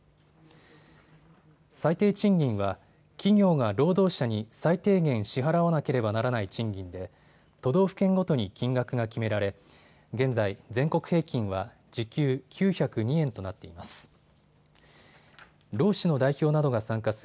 最低賃金は企業が労働者に最低限支払わなければならない賃金で都道府県ごとに金額が決められ現在、全国平均は時給９０２円となっています。